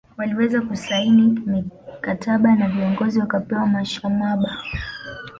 Waliweza kusaini mikataba na viongozi wakapewa mashamaba